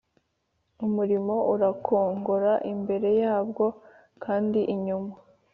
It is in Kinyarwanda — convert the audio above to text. Umuriro urakongora imbere yabwo kandi inyuma